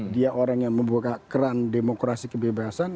dia orang yang membuka keran demokrasi kebebasan